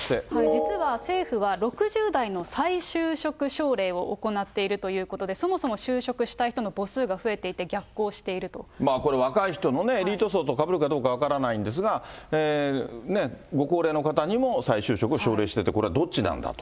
実は政府は６０代の再就職奨励を行っているということで、そもそも就職したい人の母数が増えていて、これ、若い人のエリート層とかぶるかどうか分からないんですが、ご高齢の方にも再就職を奨励してて、これはどっちなんだと。